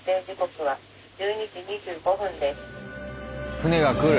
船が来る！